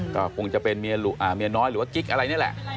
ก็คงจะเป็นเมียน้อยหรือว่ากิ๊กอะไรนี่แหละ